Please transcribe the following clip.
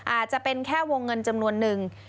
อาจจะเป็นแค่วงเงินจำนวนนึง